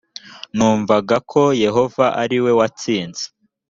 numvaga ko yehova ari we watsinze